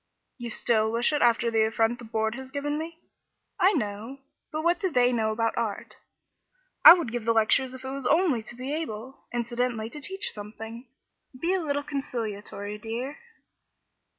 "You still wish it after the affront the Board has given me?" "I know, but what do they know about art? I would give the lectures if it was only to be able incidentally to teach them something. Be a little conciliatory, dear."